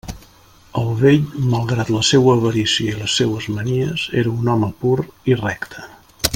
El vell, malgrat la seua avarícia i les seues manies, era un home pur i recte.